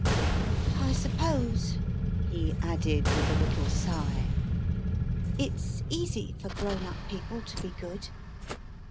I suppose, he added with a little sigh, it s easy for grown up people to be good.